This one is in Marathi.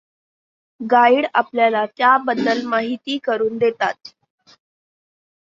गाईड आपल्याला त्याबद्दल माहिती करून देतात.